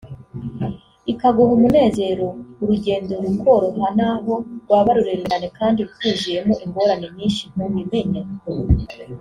ikaguha umunezero; urugendo rukoroha n’aho rwaba rurerure cyane kandi rwuzuyemo ingorane nyinshi ntubimenya